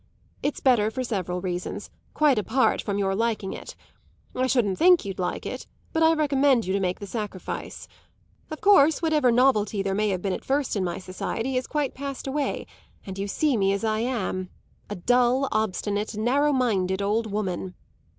It's better for several reasons, quite apart from your liking it. I shouldn't think you'd like it, but I recommend you to make the sacrifice. Of course whatever novelty there may have been at first in my society has quite passed away, and you see me as I am a dull, obstinate, narrow minded old woman."